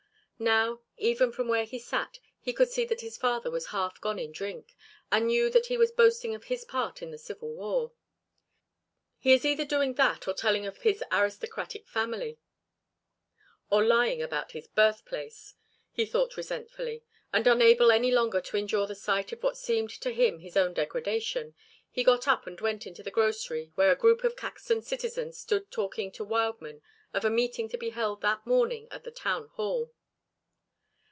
Now, even from where he sat, he could see that his father was half gone in drink, and knew that he was boasting of his part in the Civil War. "He is either doing that or telling of his aristocratic family or lying about his birthplace," he thought resentfully, and unable any longer to endure the sight of what seemed to him his own degradation, he got up and went into the grocery where a group of Caxton citizens stood talking to Wildman of a meeting to be held that morning at the town hall.